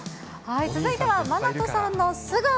続いてはマナトさんの素顔。